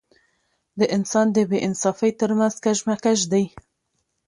د انسان د بې انصافۍ تر منځ کشمکش دی.